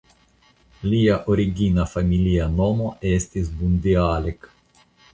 Lia origina familia nomo estis "Bundialek".